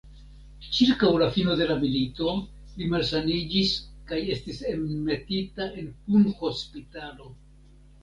Ĉirkaŭ la fino de la milito li malsaniĝis kaj estis enmetita en punhospitalo.